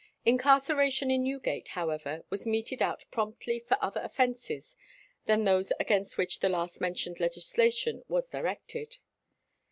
Incarceration in Newgate, however, was meted out promptly for other offences than those against which the last mentioned legislation was directed.